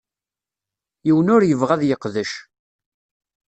Yiwen ur yebɣi ad yeqdec.